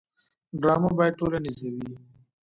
ډرامه باید ټولنیزه وي